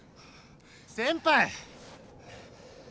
先輩！